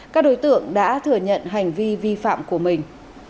các đối tượng đã thừa nhận hành vi vi phạm của mình